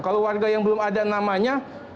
kalau warga yang belum ada namanya